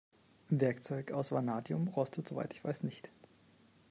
Werkzeug aus Vanadium rostet soweit ich weiß nicht.